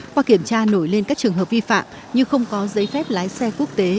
qua kiểm tra nổi lên các trường hợp vi phạm như không có giấy phép lái xe quốc tế